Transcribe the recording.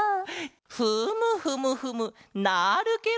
フムフムフムなるケロ！